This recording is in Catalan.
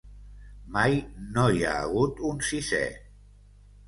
Mai no hi ha hagut un sisè.